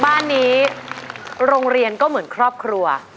บ้านนี้โรงเรียนก็เหมือนครอบครัว